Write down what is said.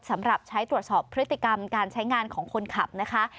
สำหรับใช้ตรวจสอบพฤติกรรมการใช้งานของคนขับนะคะ